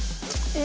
え！